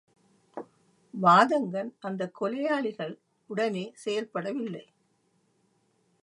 வாதங்கன் அந்தக் கொலையாளிகள் உடனே செயல்பட வில்லை.